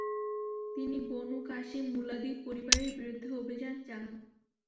তিনি Banu Qasi muladi পরিবারের বিরুদ্ধে অভিযান চালান।